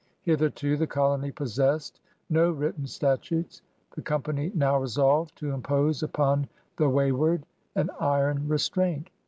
Hitherto the colony possessed no written statutes. The Company now resolved to impose upon the wayward an iron restraint.